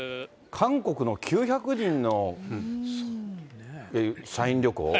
韓国の９００人の社員旅行？